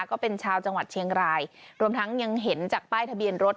ก็เป็นชาวจังหวัดเชียงรายรวมทั้งยังเห็นจากป้ายทะเบียนรถ